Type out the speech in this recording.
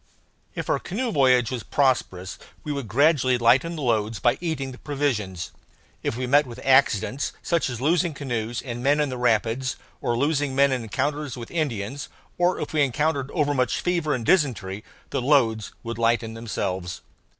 If our canoe voyage was prosperous we would gradually lighten the loads by eating the provisions. If we met with accidents, such as losing canoes and men in the rapids, or losing men in encounters with Indians, or if we encountered overmuch fever and dysentery, the loads would lighten themselves.